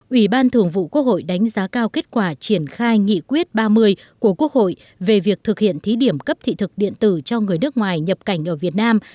ủy ban thường vụ quốc hội đánh giá cao kết quả triển khai nghị quyết ba mươi của quốc hội về việc thực hiện thí điểm cấp thị thực điện tử cho người nước ngoài nhập cảnh ở việt nam